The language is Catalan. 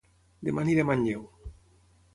Dema aniré a Manlleu